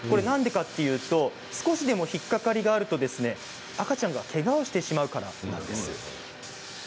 なんでかというと少しでも引っ掛かりがあると赤ちゃんがけがをしてしまうからなんです。